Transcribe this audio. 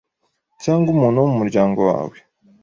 cyangwa umuntu wo mu muryango wawe.”